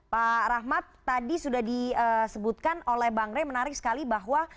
pak rahmat tadi sudah disebutkan oleh bang rey menarik sekali bahwa